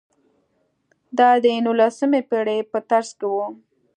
دا د نولسمې پېړۍ په ترڅ کې و.